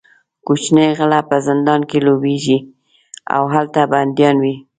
کوچني غله په زندان کې لویېږي او هلته بندیان وي.